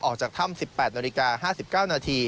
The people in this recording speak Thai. ออกจากถ้ำ๑๘น๕๙น